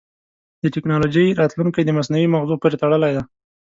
د ټکنالوجۍ راتلونکی د مصنوعي مغزو پورې تړلی دی.